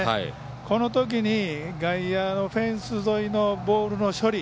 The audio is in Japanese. このときに、外野のフェンス沿いのボールの処理。